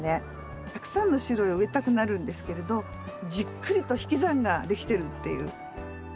たくさんの種類を植えたくなるんですけれどじっくりと引き算ができてるっていう。